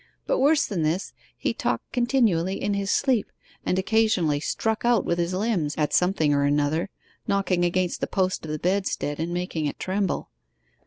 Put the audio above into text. But worse than this, he talked continually in his sleep, and occasionally struck out with his limbs at something or another, knocking against the post of the bedstead and making it tremble.